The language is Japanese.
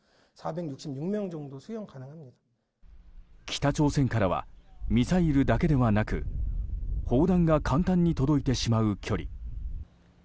北朝鮮からはミサイルだけではなく砲弾が簡単に届いてしまう距離。